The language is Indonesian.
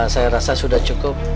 saya rasa sudah cukup